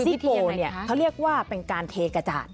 ซิกกูเนี่ยเขาเรียกว่าเป็นการเทกจาด